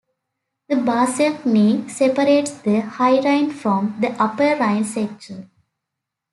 The Basel knee separates the High Rhine from the Upper Rhine section.